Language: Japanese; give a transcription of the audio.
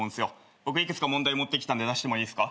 僕幾つか問題持ってきたんで出してもいいですか？